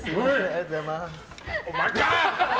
お前か！